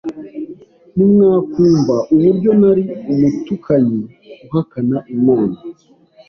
Ntimwakumva uburyo nari umutukanyi uhakana Imana!